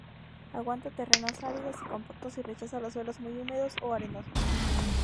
Aguanta terrenos áridos o compactos y rechaza los suelos muy húmedos o arenosos.